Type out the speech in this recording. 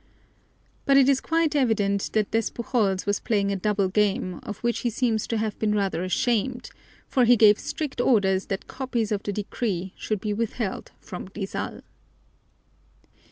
But it is quite evident that Despujols was playing a double game, of which he seems to have been rather ashamed, for he gave strict orders that copies of the decree should be withheld from Rizal.